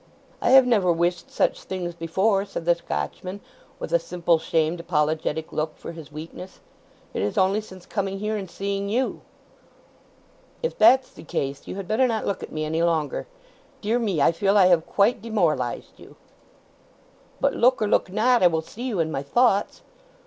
"I have never wished such things before," said the Scotchman, with a simple, shamed, apologetic look for his weakness. "It is only since coming here and seeing you!" "If that's the case, you had better not look at me any longer. Dear me, I feel I have quite demoralized you!" "But look or look not, I will see you in my thoughts.